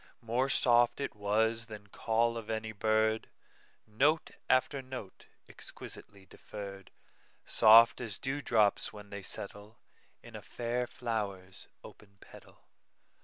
More soft it was than call of any bird, Note after note, exquisitely deferr'd, Soft as dew drops when they settleIn a fair flower's open petal.